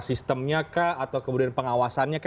sistemnya atau kemudian pengawasannya